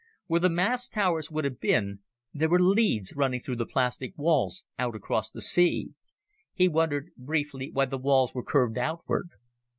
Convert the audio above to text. Where the mast towers would have been, there were leads running through the plastic walls out across the sea. He wondered briefly why the walls were curved outward.